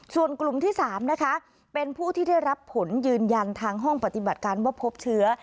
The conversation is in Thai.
ส่วนกลุ่มที่๓นะคะเป็นผู้ที่ได้รับผลยืนยันทางห้องปฏิบัติการว่าพบเชื้อ